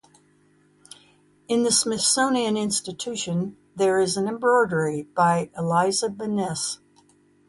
In the Smithsonian Institution there is an embroidery by Eliza Bennis.